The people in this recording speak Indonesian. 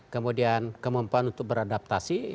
kemudian kemampuan untuk beradaptasi